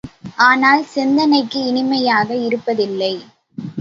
ஆனால் சிந்தனைக்கு இனிமையாக இருப்பதில்லை.